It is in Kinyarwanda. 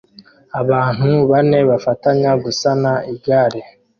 Abantu bane bafatanya gusana igare